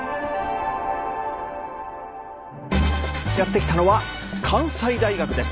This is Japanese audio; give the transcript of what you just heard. やって来たのは関西大学です。